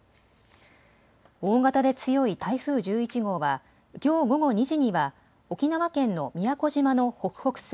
大型で強い台風１１号はきょう午後２時には沖縄県の宮古島の北北西